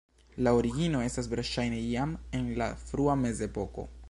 La origino estas verŝajne jam en la frua mezepoko.